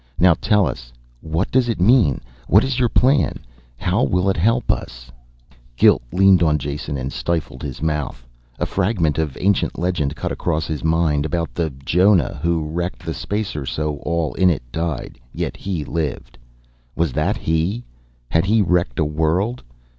"Now tell us what does it mean? What is your plan? How will it help us?" Guilt leaned on Jason and stifled his mouth. A fragment of an ancient legend cut across his mind, about the jonah who wrecked the spacer so all in it died, yet he lived. Was that he? Had he wrecked a world?